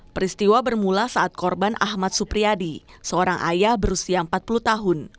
peristiwa bermula saat korban ahmad supriyadi seorang ayah berusia empat puluh tahun